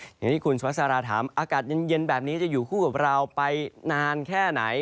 อย่างที่คุณสุภาษาราถามอากาศเย็นแบบนี้จะอยู่คู่กับเราไปนานแค่ไหน